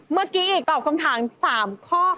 เมื่อกี้อีกตอบคำถาม๓ข้อ